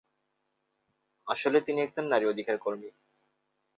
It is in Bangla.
আসলে তিনি একজন নারী অধিকার কর্মী।